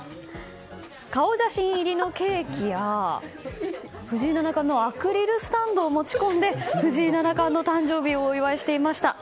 顔写真入りのケーキや藤井七冠のアクリルスタンドを持ち込んで藤井七冠の誕生日をお祝いしていました。